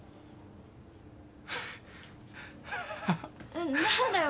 えっ何だよ？